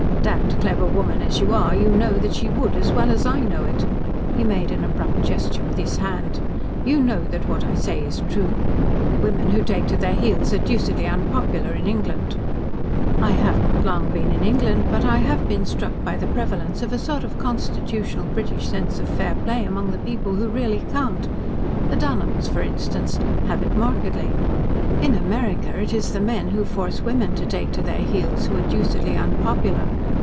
"Damned clever woman as you are, you know that she would, as well as I know it." He made an abrupt gesture with his hand. "You know that what I say is true. Women who take to their heels are deucedly unpopular in England." "I have not been long in England, but I have been struck by the prevalence of a sort of constitutional British sense of fair play among the people who really count. The Dunholms, for instance, have it markedly. In America it is the men who force women to take to their heels who are deucedly unpopular.